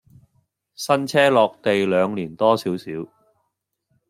新車落地兩年多少少